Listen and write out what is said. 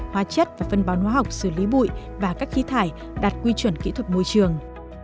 hóa chất và phân bón hóa học xử lý bụi và các khí thải đạt quy chuẩn kỹ thuật môi trường